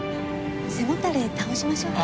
背もたれ倒しましょうか？